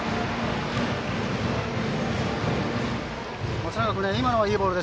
松永君、今のはいいボール。